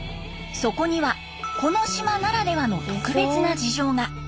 そこにはこの島ならではの特別な事情が。